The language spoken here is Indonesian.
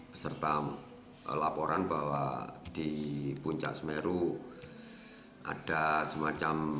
beserta laporan bahwa di puncak semeru ada semacam